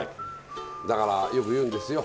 だからよく言うんですよ。